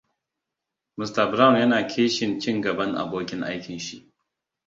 Mr Brown yana kishin cin gaban abokin aikin shi.